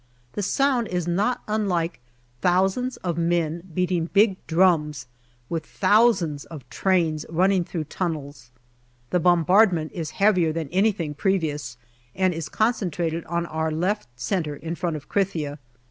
The sound is not unlike thousands of men beating big drums, with thousands of trains running through tunnels. The bombardment is heavier than anything previous, and is concentrated on our left centre in front of Krithia.